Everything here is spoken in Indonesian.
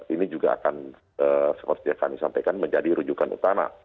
ini juga akan seperti yang kami sampaikan menjadi rujukan utama